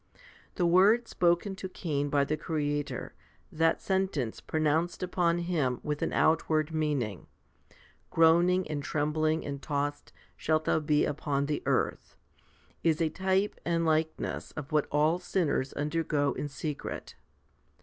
1 The word spoken to Cain by the Creator, that sentence pronounced upon him with an outward meaning, Groaning and trembling and tossed shall thou be upon the earth, 2 is a type and likeness of what all sinners undergo in secret.